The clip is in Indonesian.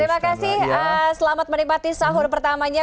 terima kasih selamat menikmati sahur pertamanya